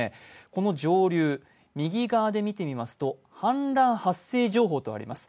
この上流、右側で見てみますと氾濫発生情報とあります。